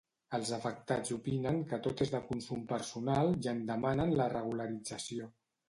Els afectats opinen que tot és de consum personal i en demanen la regularització.